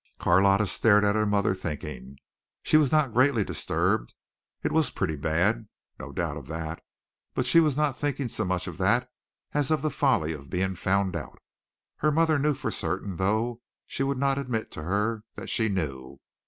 Carlotta stared at her mother, thinking. She was not greatly disturbed. It was pretty bad, no doubt of that, but she was not thinking so much of that as of the folly of being found out. Her mother knew for certain, though she would not admit to her that she knew.